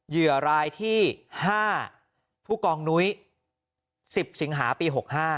เหยื่อรายที่๕ผู้กองนุ้ย๑๐สิงหาปี๖๕